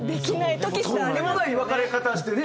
とんでもない別れ方してね